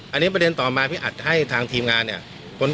อันนี้ประเด็นต่อมาพี่อัดให้ทางทีมงานเนี่ย